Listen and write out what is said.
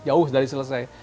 jauh dari selesai